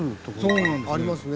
そうなんですね。